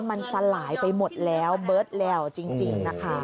มันสลายไปหมดแล้วเบิร์ดแล้วจริงนะคะ